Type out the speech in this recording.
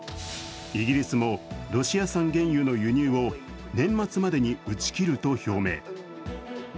イギリスもロシア産原油の輸入を年末までに打ち切ると表明。